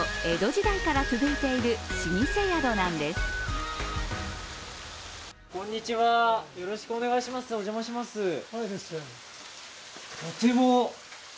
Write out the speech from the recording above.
江戸時代から続いている老舗宿なんです。